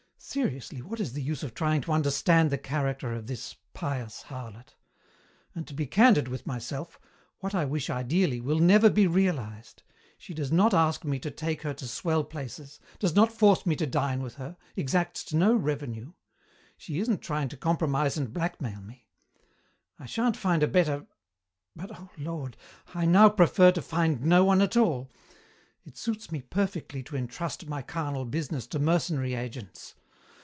Seriously, what is the use of trying to understand the character of this pious harlot? And to be candid with myself, what I wish ideally will never be realized; she does not ask me to take her to swell places, does not force me to dine with her, exacts no revenue: she isn't trying to compromise and blackmail me. I shan't find a better but, oh, Lord! I now prefer to find no one at all. It suits me perfectly to entrust my carnal business to mercenary agents.